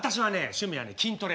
趣味はね筋トレ。